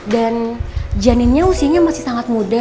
dan janinnya usianya masih sangat muda